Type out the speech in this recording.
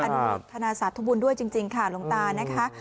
อดทนาศาสตร์ทบุญด้วยจริงค่ะหลวงตานะคะ